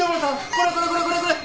これこれこれこれこれ！